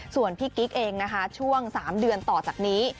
ส่วนพี่กิ๊กเองนะคะช่วง๓เดือนต่อจากนี้